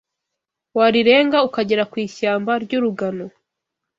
warirenga ukagera ku ishyamba ry’urugano